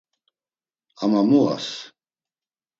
Ama mu as?